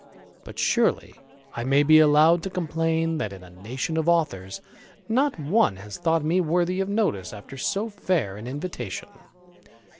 But surely I may be allowed to complain, that, in a nation of authors, not one has thought me worthy of notice after so fair an invitation.